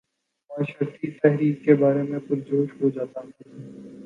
معاشرتی تحاریک کے بارے میں پر جوش ہو جاتا ہوں